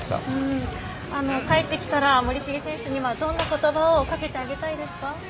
帰ってきたら森重選手にどんな言葉をかけてあげたいですか。